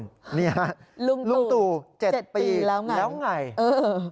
ลุงตุ๗ปีแล้วไงอืม